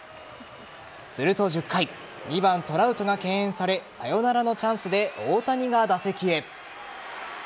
すると１０回２番・トラウトが敬遠されサヨナラのチャンスで大谷が打席へ。